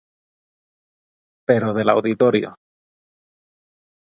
Pero del auditorio